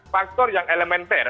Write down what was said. faktor yang elemen ter